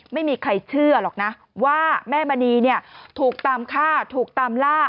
ไม่มีใครเชื่อหรอกนะว่าแม่มณีเนี่ยถูกตามฆ่าถูกตามล่า